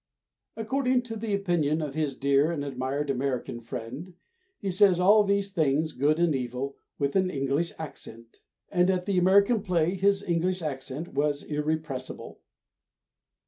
According to the opinion of his dear and admired American friend, he says all these things, good and evil, with an English accent; and at the American play his English accent was irrepressible.